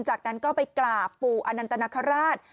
จากนั้นก็ไปกราบปู่อนันตนคราช